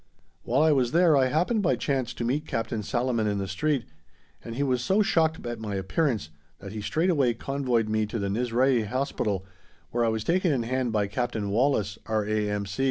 While I was there I happened by chance to meet Captain Salaman in the street, and he was so shocked at my appearance that he straightway convoyed me off to Nasrieh Hospital, where I was taken in hand by Captain Wallace, R.A.M.